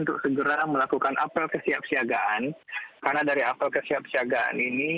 untuk segera melakukan apel kesiap siagaan karena dari apel kesiap siagaan ini